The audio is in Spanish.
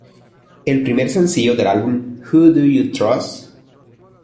El primer sencillo del álbum "Who Do You Trust?